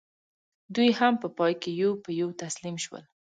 دوی هم په پای کې یو په یو تسلیم شول.